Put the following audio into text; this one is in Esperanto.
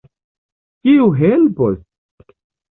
Kiu helpos?